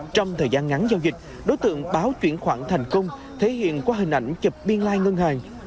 trong thời gian ngắn giao dịch đối tượng báo chuyển khoản thành công thể hiện qua hình ảnh chụp biên lai ngân hàng